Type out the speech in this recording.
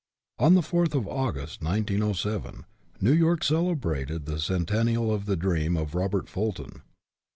On the fourth of August, 1907, New York celebrated the centennial of the dream of Robert Fulton.